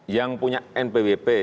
yang punya npwp